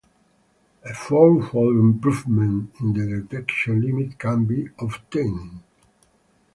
A fourfold improvement in the detection limit can be obtained.